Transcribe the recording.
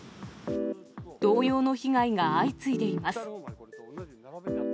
同様の被害が相次いでいます。